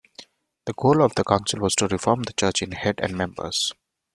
The goal of the council was to reform the church in head and members.